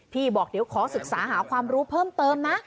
บอกเดี๋ยวขอศึกษาหาความรู้เพิ่มเติมนะ